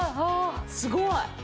すごい！